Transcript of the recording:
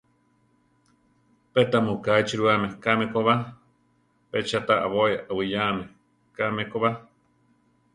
Pe tamu ka ichirúame káme ko ba; pe cha ta abói aʼwiyáame káme ko ba.